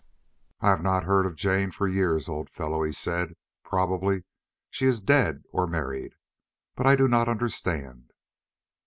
"I have not heard of Jane for years, old fellow," he said; "probably she is dead or married. But I do not understand."